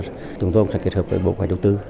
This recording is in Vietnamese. chúng tôi cũng sẽ kết hợp với bộ quản đồng tư